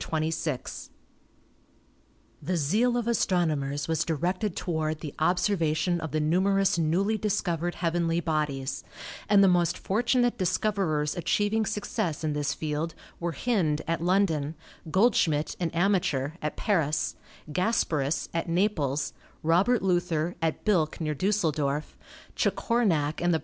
26. 220 ASTRONOMY The zeal of astronomers was directed toward the ob servation of the numerous newly discovered heavenly bodies, and the most fortunate discoverers achieving suc cess in this field were Hind (at London), Goldschmidt, an amateur (at Paris) ; Gasparis (at Naples), Robert Luther (at Bilk near Dtisseldorf), Chacornac and the brothers THE MOON; Fig.